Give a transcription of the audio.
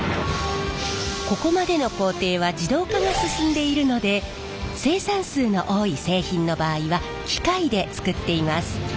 ここまでの工程は自動化が進んでいるので生産数の多い製品の場合は機械で作っています。